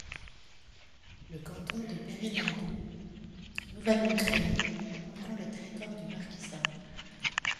Le canton de Perinaldo nouvellement créé comprend le territoire du marquisat.